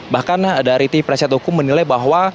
bahkan dari tim penasihat hukum menilai bahwa